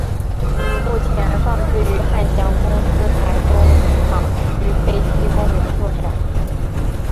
目前放置于汉翔公司台中厂区飞机公园做展示。